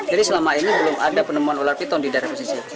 jadi selama ini belum ada penemuan ular piton di daerah pesisir